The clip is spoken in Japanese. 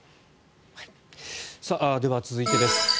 では、続いてです。